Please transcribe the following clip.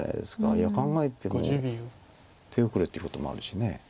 いや考えても手遅れってこともあるし。